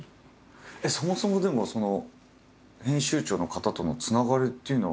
そもそもでもその編集長の方とのつながりっていうのは？